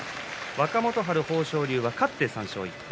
若元春、豊昇龍は勝って３勝１敗